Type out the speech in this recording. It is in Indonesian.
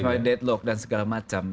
bahkan sampai deadlock dan segala macam